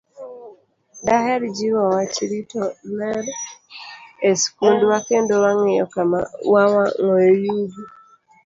Daher jiwo wach rito ler e skundwa, kendo wang'iyo kama wawang'oe yugi.